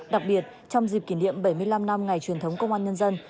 đặc biệt trong dịp kỷ niệm bảy mươi năm năm ngày truyền thống công an nhân dân